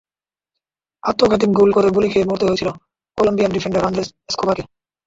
আত্মঘাতী গোল করে গুলি খেয়ে মরতে হয়েছিল কলম্বিয়ান ডিফেন্ডার আন্দ্রেস এসকোবারকে।